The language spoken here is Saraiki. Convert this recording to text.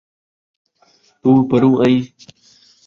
توں پروں آئیں